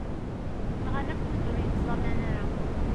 Nɣan akk wid ur yettẓallan ara.